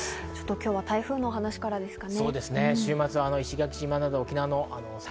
今日は台風の話からですかね。